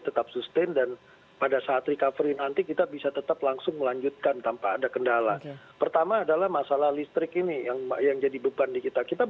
terus dan pada saat recover di nanti kita bisa tetap langsung melanjutkan tanpa ada kendala